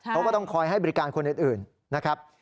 เขาก็ต้องคอยให้บริการคนอื่นนะครับ